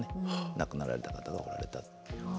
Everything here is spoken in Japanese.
亡くなられた方がおられた。